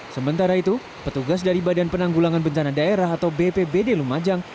sementara itu petugas dari badan penanggulangan bencana daerah atau bpbd lumajang